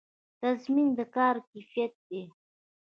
تضمین د کار د کیفیت دی